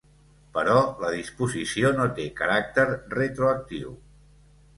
Però la disposició no té caràcter retroactiu.